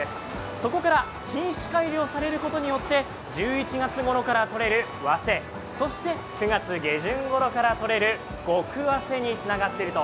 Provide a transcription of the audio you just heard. そこから品種改良されることによって１１月ごろからとれる早生、そして９月下旬ごろからとれる極早生につながっていると。